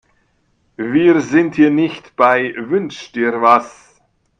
Wir sind hier nicht bei Wünsch-dir-was.